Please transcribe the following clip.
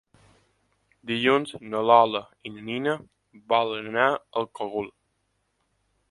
Dilluns na Lola i na Nina volen anar al Cogul.